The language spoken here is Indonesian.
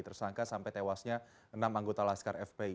tersangka sampai tewasnya enam anggota laskar fpi